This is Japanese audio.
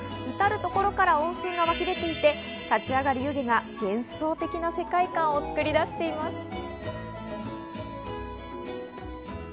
いたるところから温泉が湧き出ていて立ち上がる湯気が幻想的な世界感を作り出しています。